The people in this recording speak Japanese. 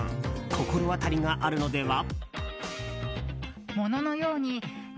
心当たりがあるのでは？